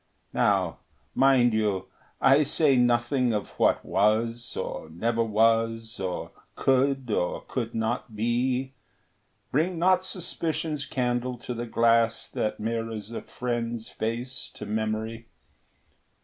Now, mind you, I say nothing of what was, Or never was, or could or could not be: Bring not suspicion's candle to the glass That mirrors a friend's face to memory.